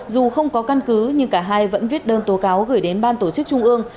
dù không có căn cứ nhưng cả hai vẫn viết đơn tố cáo gửi đến ban tổ chức trung ương